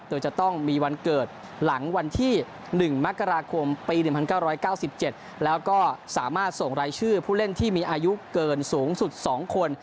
โดยจะต้องมีวันเกิดหลังวันที่หนึ่งมกราคมปีหนึ่งพันเก้าร้อยเก้าสิบเจ็ดแล้วก็สามารถส่งรายชื่อผู้เล่นที่มีอายุเกินสูงสุดสองคน